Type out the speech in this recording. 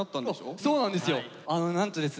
そうなんですよ。